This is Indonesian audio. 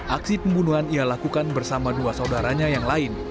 aksi pembunuhan ia lakukan bersama dua saudaranya yang lain